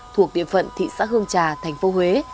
thuộc địa phận thị xã hương trà thành phố huế